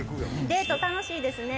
デート楽しいですね。